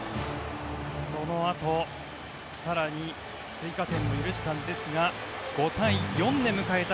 そのあと更に追加点を許したんですが５対４で迎えた